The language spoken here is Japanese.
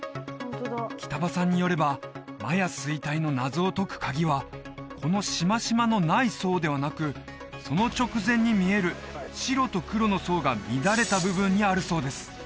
北場さんによればマヤ衰退の謎を解くカギはこのシマシマのない層ではなくその直前に見える白と黒の層が乱れた部分にあるそうです